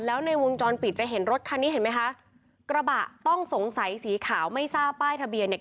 แล้วในวงจรปิดจะเห็นรถคันนี้เห็นไหมคะกระบะต้องสงสัยสีขาวไม่ทราบป้ายทะเบียนเนี่ย